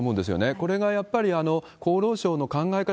これがやっぱり厚労省の考え方